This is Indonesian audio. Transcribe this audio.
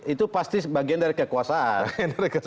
itu pasti bagian dari kekuasaan